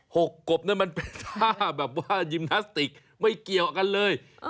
หกกบนั่นมันเป็นท่าแบบว่ายิมพลาสติกไม่เกี่ยวกันเลย